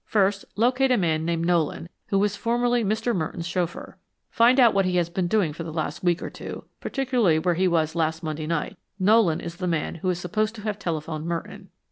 First, locate a man named Nolan, who was formerly Mr. Merton's chauffeur. Find out what he has been doing for the last week or two; particularly where he was last Monday night. Nolan is the man who is supposed to have telephoned Merton."